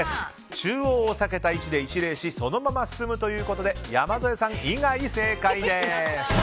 中央を避けた位置で一礼しそのまま進むということで山添さん以外正解です。